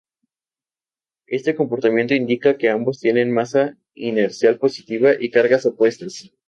Este comportamiento indica que ambos tienen masa inercial positiva y cargas opuestas.